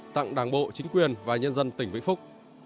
tặng đảng bộ chính quyền và nhân dân tỉnh vĩnh phúc